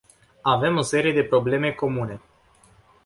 Avem o serie de probleme comune.